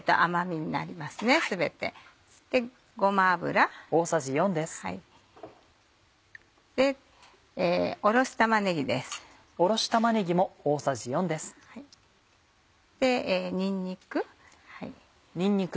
にんにく。